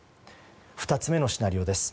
２つ目のシナリオです。